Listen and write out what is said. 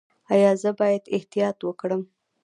ایا زه باید احتیاط وکړم؟